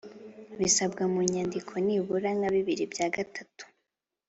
bisabwe mu nyandiko nibura na bibiri bya gatatu